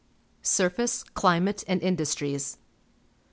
Surface, Climate, and Industries.